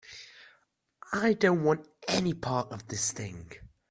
I don't want any part of this thing.